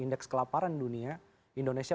indeks kelaparan dunia indonesia